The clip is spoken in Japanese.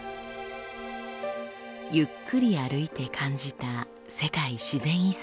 ゆっくり歩いて感じた世界自然遺産。